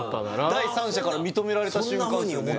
第三者から認められた瞬間っすよね